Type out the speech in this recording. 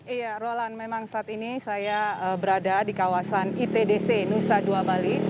iya roland memang saat ini saya berada di kawasan itdc nusa dua bali